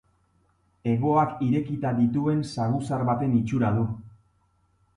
Hegoak irekita dituen saguzar baten itxura du.